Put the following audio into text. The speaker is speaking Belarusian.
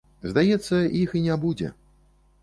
Здаецца, іх і не будзе.